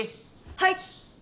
はい！